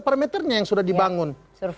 parameternya yang sudah dibangun